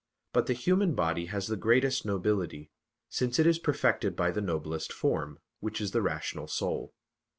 But the human body has the greatest nobility; since it is perfected by the noblest form, which is the rational soul.